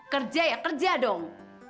kerja ya kerja dong